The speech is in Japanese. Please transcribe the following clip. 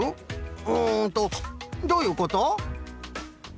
うんとどういうこと？